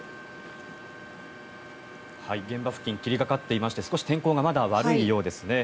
現場付近霧がかっていまして少し天候がまだ悪いようですね。